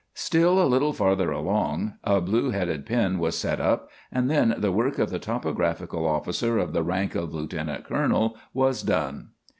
Still a little farther along a blue headed pin was set up, and then the work of the topographical officer of the rank of lieutenant colonel was done.